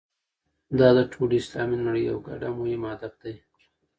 دا د ټولې اسلامي نړۍ یو ګډ او مهم هدف دی.